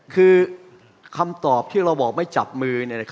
คือคำตอบที่เราบอกไม่จับมือ